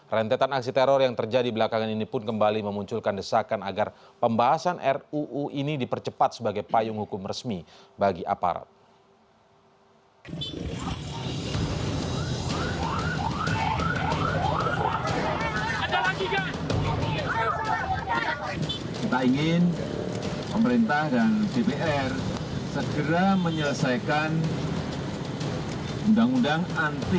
rentetan aksi teror yang terjadi belakangan ini pun kembali memunculkan desakan agar pembahasan ruu ini dipercepat sebagai payung hukum resmi bagi aparat